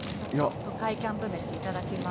都会キャンプ飯、いただきます。